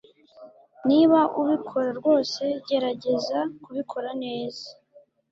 Niba ubikora rwose, gerageza kubikora neza.